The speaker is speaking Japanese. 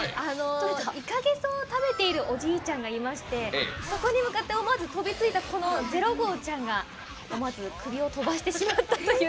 イカゲソを食べているおじいちゃんがいまして思わず飛びついた０号ちゃんが思わず首を飛ばしてしまったという。